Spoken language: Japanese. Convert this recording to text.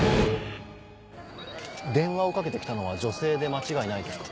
電話をかけて来たのは女性で間違いないですか？